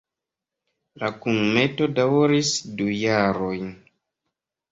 La kunmeto daŭris du jarojn.